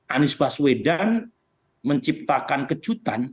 anies baswedan menciptakan kejutan